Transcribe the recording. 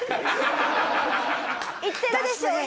言ってるでしょうね。